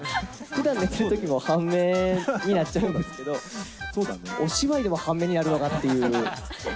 ふだん寝ちゃうときも半目になっちゃうんですけど、お芝居でも半目になるのかっていう。